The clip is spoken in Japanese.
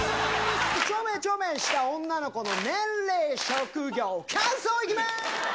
ちょめちょめした女の子の年齢、職業、感想いきます。